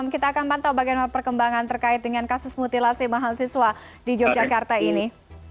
kita akan pantau bagaimana perkembangan terkait dengan kasus mutilasi mahasiswa di yogyakarta ini